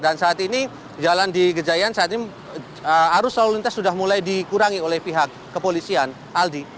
dan saat ini jalan di kejadian saat ini arus salur lintas sudah mulai dikurangi oleh pihak kepolisian aldi